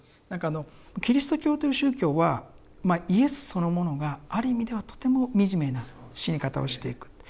何かあのキリスト教という宗教はまあイエスそのものがある意味ではとても惨めな死に方をしていく。